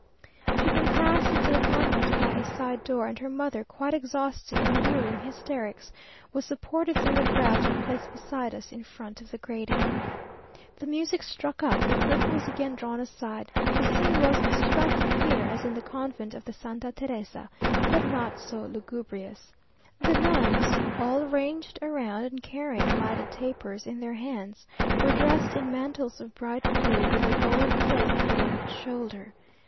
She then passed into the convent by a side door, and her mother, quite exhausted and nearly in hysterics, was supported through the crowd to a place beside us, in front of the grating. The music struck up; the curtain was again drawn aside. The scene was as striking here as in the convent of the Santa Teresa, but not so lugubrious. The nuns, all ranged around, and carrying lighted tapers in their hands, were dressed in mantles of bright blue, with a gold plate on the left shoulder.